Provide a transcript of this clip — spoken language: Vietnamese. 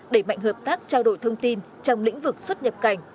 đẩy mạnh hợp tác trao đổi thông tin trong lĩnh vực xuất nhập cảnh